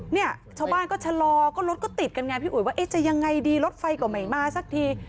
เนี่ยชาวบ้านก็ชะลอก็รถก็ติดกันไงพี่อุ๋ยว่าเอ๊ะจะยังไงดีรถไฟก็ไม่มาสักที